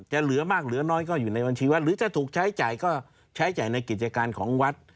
เหลือมากเหลือน้อยก็อยู่ในบัญชีวัดหรือจะถูกใช้จ่ายก็ใช้จ่ายในกิจการของวัด